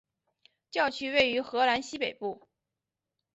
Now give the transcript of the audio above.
教区位于荷兰西北部。